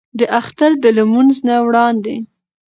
د اختر د لمونځ نه وړاندې